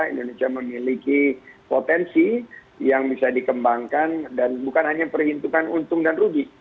indonesia memiliki potensi yang bisa dikembangkan dan bukan hanya perhitungan untung dan rugi